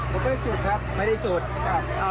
ไม่ใช่จุดไฟทำไมไม่จุดครับ